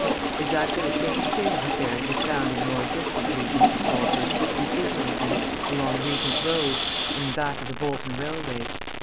Exactly the same state of affairs is found in the more distant regions of Salford, in Islington, along Regent Road, and back of the Bolton railway.